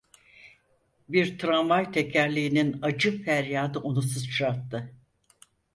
Bir tramvay tekerleğinin acı feryadı onu sıçrattı.